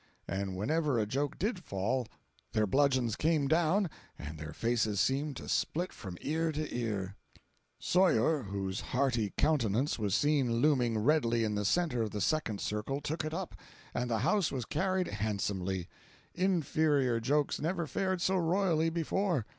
And whenever a joke did fall, their bludgeons came down and their faces seemed to split from ear to ear; 562.jpg (153K) Sawyer, whose hearty countenance was seen looming redly in the centre of the second circle, took it up, and the house was carried handsomely. Inferior jokes never fared so royally before.